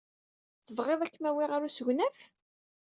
Tebɣid ad kem-awiɣ ɣer usegnaf?